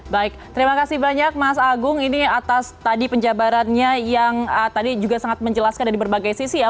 baik terima kasih banyak mas agung ini atas tadi penjabarannya yang tadi juga sangat menjelaskan dari berbagai sisi ya